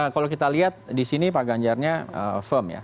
kalau kita lihat di sini pak ganjarnya firm ya